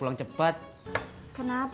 emang belum rejeki kita punya anak